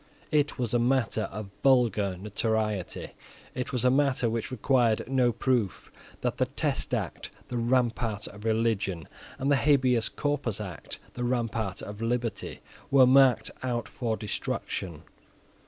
It was matter of vulgar notoriety, it was matter which required no proof, that the Test Act, the rampart of religion, and the Habeas Corpus Act, the rampart of liberty, were marked out for destruction.